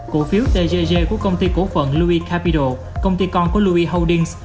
cổ phiếu tgg của công ty cổ phận louis capital công ty con của louis holdings